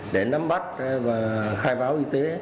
để nắm bắt và khai báo y tế